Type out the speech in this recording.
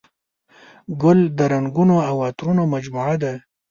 ګل د رنګونو او عطرونو مجموعه ده.